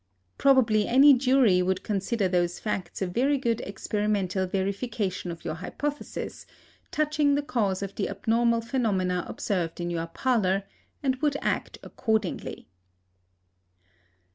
Probably any jury would consider those facts a very good experimental verification of your hypothesis, touching the cause of the abnormal phenomena observed in your parlor, and would act accordingly.